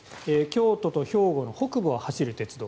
京都と兵庫の北部を走る鉄道。